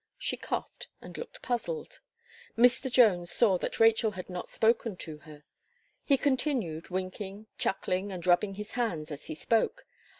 She coughed, and looked puzzled. Mr. Jones saw that Rachel had not spoken to her. He continued winking, chuckling, and rubbing his hands as he spoke.